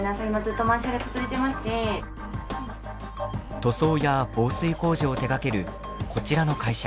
塗装や防水工事を手がけるこちらの会社。